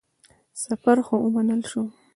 سفر خو ومنل شو.